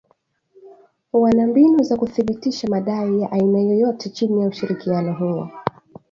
Wana mbinu za kuthibitisha madai ya aina yoyote chini ya ushirikiano huo